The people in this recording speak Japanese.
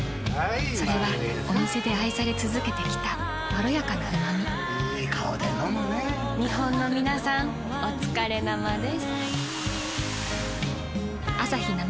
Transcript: それはお店で愛され続けてきたいい顔で飲むね日本のみなさんおつかれ生です。